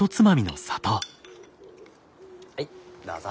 はいどうぞ。